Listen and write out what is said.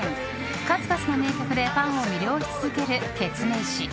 数々の名曲でファンを魅了し続けるケツメイシ。